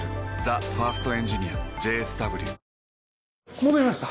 戻りました。